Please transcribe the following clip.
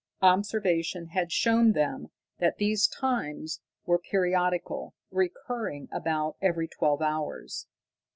Observation had shown them that these times were periodical, recurring about every twelve hours.